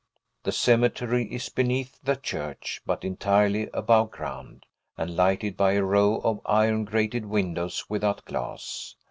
The cemetery is beneath the church, but entirely above ground, and lighted by a row of iron grated windows without glass.